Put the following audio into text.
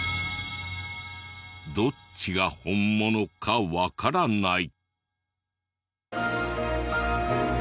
どっちが本物かわからない。